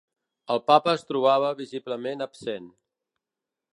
El Papa es trobava visiblement absent.